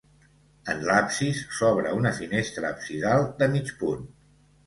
En l'absis s'obre una finestra absidal de mig punt.